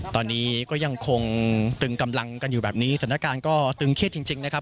ตอนนี้ก็ยังคงตึงกำลังกันอยู่แบบนี้สถานการณ์ก็ตึงเครียดจริงนะครับ